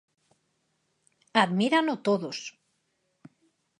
Admírano todos.